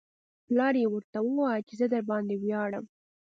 پلار یې ورته وویل چې زه درباندې ویاړم